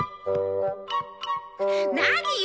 何よ！